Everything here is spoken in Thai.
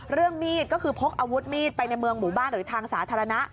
มีดก็คือพกอาวุธมีดไปในเมืองหมู่บ้านหรือทางสาธารณะ